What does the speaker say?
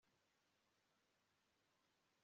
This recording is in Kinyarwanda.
Nzi ko bamwe mubanyeshuri bawe batagukunda